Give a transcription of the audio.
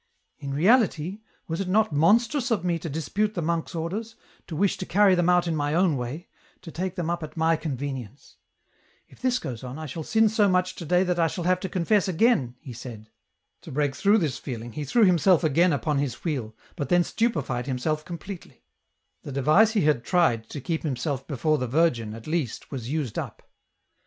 — in reality, was it not monstrous of me to dispute the monk's orders, to wish to carry them out in my own way, to take them up at my convenience ! If this goes on, I shall sin so much to day that I shall have to confess again," he said. To break through this feelmg, he threw himself again upon his wheel, but then stupefied himself completely ; the device he had tried to keep himself before the Virgin at least was used up.